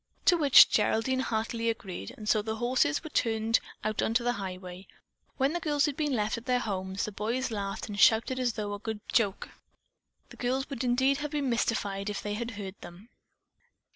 To which Geraldine heartily agreed, and so the horses were turned out upon the highway. When the girls had been left at their homes, the boys laughed and shouted as though at a good joke. The girls would indeed have been mystified if they had heard them.